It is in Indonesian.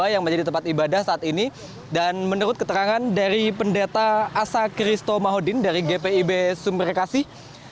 yang menjadi tempat ibadah saat ini dan menurut keterangan dari pendeta asa kristo mahodin dari gpib sumberkasih